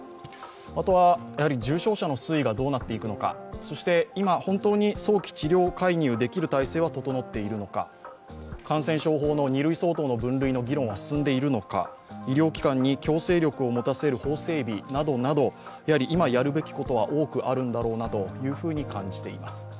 あとは重症者の推移がどうなっていくのか、今、本当に早期治療介入ができる体制は整っているのか感染症法の二類相当の議論は進んでいるのか、医療機関に強制力を持たせる法整備などなど、今やるべきことは多くあるんだろうなと感じています。